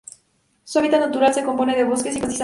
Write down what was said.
Su hábitat natural se compone de bosque y pastizales.